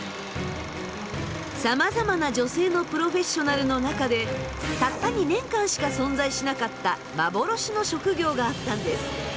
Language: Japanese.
さまざまな女性のプロフェッショナルの中でたった２年間しか存在しなかった幻の職業があったんです。